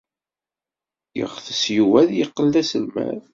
Yeɣtes Yuba ad yeqqel d aselmad.